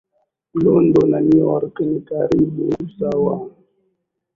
London na New York ni karibu na usawa